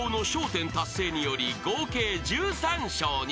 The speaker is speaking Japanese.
１０達成により合計１３笑に。